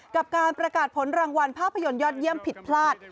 กับการประกาศผลรางวัลภาพยนตร์ยอดเยี่ยมผิดพลาด